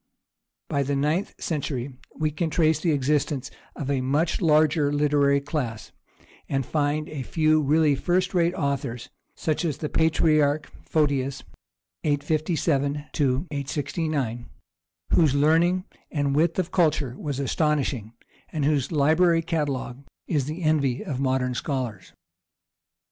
By the ninth century we can trace the existence of a much larger literary class, and find a few really first rate authors, such as the patriarch Photius (857 69), whose learning and width of culture was astonishing, and whose library catalogue is the envy of modern scholars.